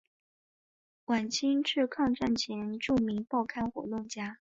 晚清至抗战前著名报刊活动家。